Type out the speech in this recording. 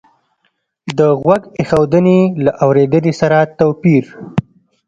د غوږ ایښودنې له اورېدنې سره توپیر